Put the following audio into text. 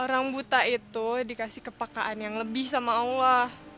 orang buta itu dikasih kepakaan yang lebih sama allah